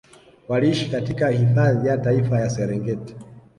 Waliishi katika hifadhi ya Taifa ya Serengeti